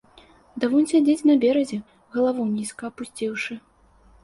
Ды вунь сядзіць на беразе, галаву нізка апусціўшы.